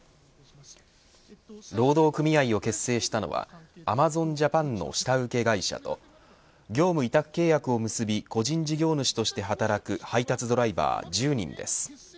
労働組合を結成したのはアマゾンジャパンの下請け会社と業務委託契約をむすび個人事業主として働く配達ドライバー１０人です。